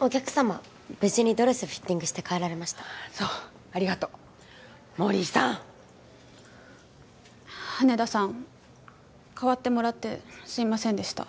お客様無事にドレスフィッティングして帰られましたそうありがとう森さん羽田さん代わってもらってすいませんでした